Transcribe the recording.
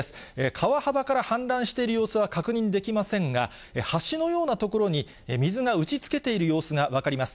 川幅から氾濫している様子は確認できませんが、橋のような所に水が打ちつけている様子が分かります。